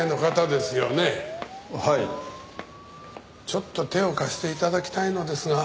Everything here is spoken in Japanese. ちょっと手を貸して頂きたいのですが。